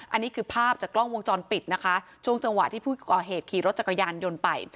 อันนี้คือภาพจากกล้องวงจรปิดนะคะช่วงจังหวะที่ผู้ก่อเหตุขี่รถจักรยานยนต์ไป